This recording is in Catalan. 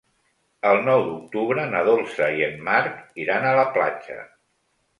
El nou d'octubre na Dolça i en Marc iran a la platja.